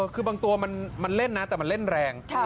คือบางตัวมันเล่นนะแต่มันเล่นแรง